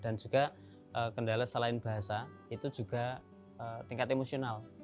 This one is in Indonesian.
dan juga kendala selain bahasa itu juga tingkat emosional